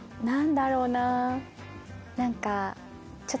何だろうな何か。